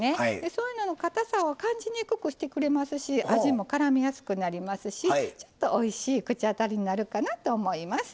そういうののかたさを感じにくくしてくれますし味もからみやすくなりますしちょっとおいしい口当たりになるかなと思います。